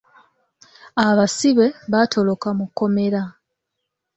Abasibe baatoloka mu kkomera .